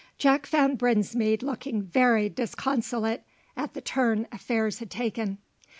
Jack found Brinsmead looking very disconsolate at the turn affairs had taken.